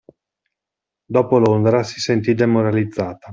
Dopo Londra si sentì demoralizzata